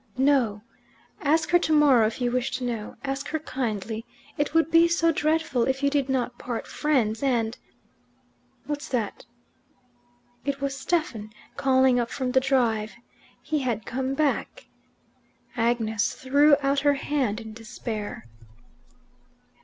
"No. Ask her tomorrow if you wish to know. Ask her kindly. It would be so dreadful if you did not part friends, and " "What's that?" It was Stephen calling up from the drive. He had come back. Agnes threw out her hand in despair.